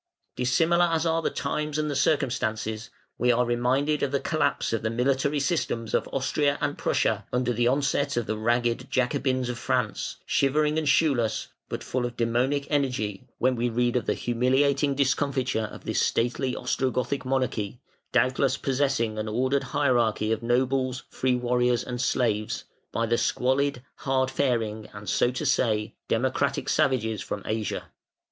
Dissimilar as are the times and the circumstances, we are reminded of the collapse of the military systems of Austria and Prussia under the onset of the ragged Jacobins of France, shivering and shoeless, but full of demonic energy, when we read of the humiliating discomfiture of this stately Ostrogothic monarchy doubtless possessing an ordered hierarchy of nobles, free warriors, and slaves by the squalid, hard faring and, so to say, democratic savages from Asia.